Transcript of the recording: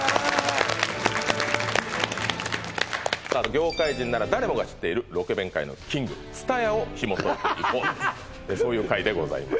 業界人なら誰もが知っているロケ弁界のキング津多屋をひもといていこうそういう回でございます